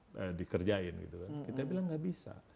nah dikerjain kita bilang enggak bisa